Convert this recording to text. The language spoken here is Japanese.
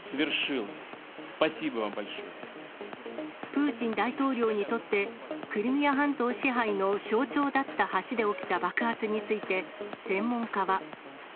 プーチン大統領にとって、クリミア半島支配の象徴だった橋で起きた爆発について、専門家は。